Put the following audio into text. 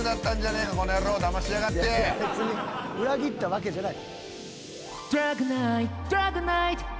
別に裏切ったわけじゃない。